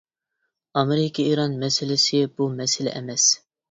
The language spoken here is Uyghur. ئامېرىكا، ئىران مەسىلىسى بۇ مەسىلە ئەمەس.